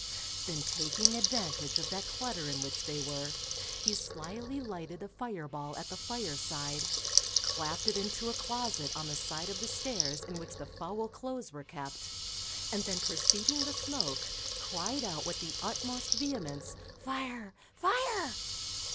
Then taking advantage of that clutter in which they were, he slily lighted a fire ball at the fire side, clapped it into a closet on the side of the stairs in which the foul clothes were kept, and then perceiving the smoke, cried out with the utmost vehemence, _Fire, fire.